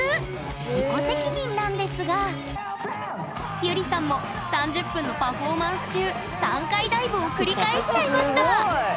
自己責任なんですがゆりさんも３０分のパフォーマンス中３回ダイブを繰り返しちゃいましたすごい！